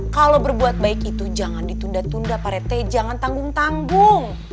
kalau berbuat baik itu jangan ditunda tunda parete jangan tanggung tanggung